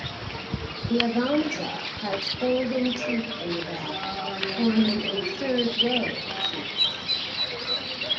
The Avanza has folding seats in the back, forming a third row of seats.